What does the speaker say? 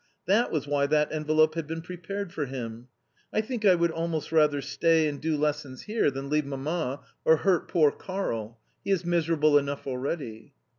That was why that envelope had been prepared for him. I think I would almost rather stay and do lessons here than leave Mamma or hurt poor Karl. He is miserable enough already."